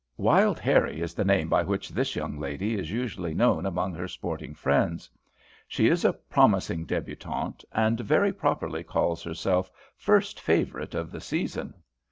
"Wild Harrie" is the name by which this young lady is usually known among her sporting friends. She is a promising débutante, and very properly calls herself "first favourite" of the season.